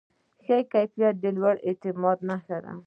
ښه کیفیت د لوړ اعتماد نښه ده.